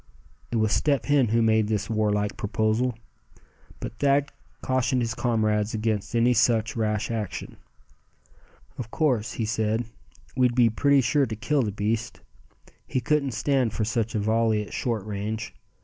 It was Step Hen who made this war like proposal; but Thad cautioned his comrades against any such rash action. "Of course," he said, "we'd be pretty sure to kill the beast. He couldn't stand for such a volley at short range.